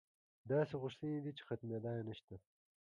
داسې غوښتنې یې دي چې ختمېدا یې نشته.